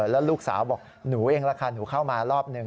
แล้วลูกสาวบอกหนูเองล่ะค่ะหนูเข้ามารอบหนึ่ง